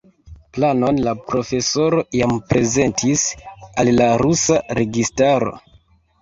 Planon la profesoro jam prezentis al la rusa registaro.